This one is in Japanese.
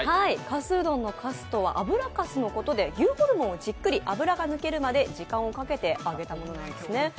かすうどんのかすとは油かすのことで、牛ホルモンをじっくり、油が抜けるまで時間をかけて揚げたものなんですね。